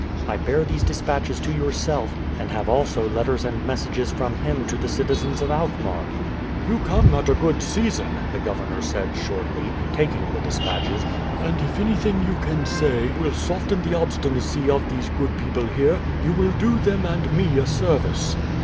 I bear these despatches to yourself, and have also letters and messages from him to the citizens of Alkmaar." "You come at a good season," the governor said shortly, taking the despatches, "and if anything you can say will soften the obstinacy of these good people here, you will do them and me a service."